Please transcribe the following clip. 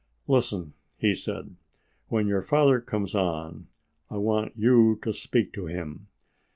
"Listen," he said, "when your father comes on, I want you to speak to him.